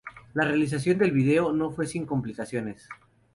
La realización del vídeo no fue sin complicaciones.